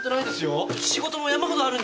仕事も山ほどあるんじゃ。